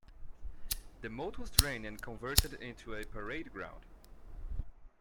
The moat was drained and converted into a parade ground.